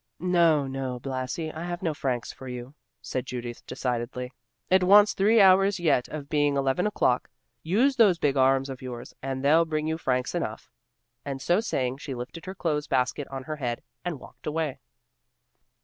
"No, no, Blasi, I have no francs for you," said Judith decidedly. "It wants three hours yet of being eleven o'clock. Use those big arms of yours, and they'll bring you francs enough." And so saying, she lifted her clothes basket on her head, and walked away.